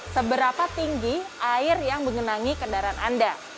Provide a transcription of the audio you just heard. seberapa tinggi air yang mengenangi kendaraan anda